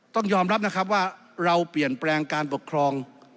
ต้องยอมรับนะครับว่าเราเปลี่ยนแปลงการปกครอง